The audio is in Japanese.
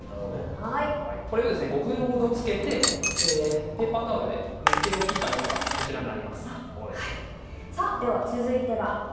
これを５分ほど漬けてペーパータオルで水気を切ったものが続いては。